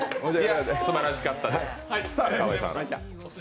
すばらしかったです。